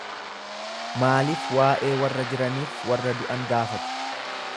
Maaliif waa'ee warra jiraniif warra du'an gaafatu?